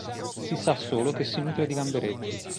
Si sa solo che si nutre di gamberetti.